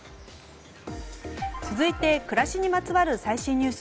続いては暮らしにまつわる最新ニュース。